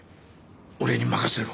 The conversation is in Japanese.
俺に任せろ。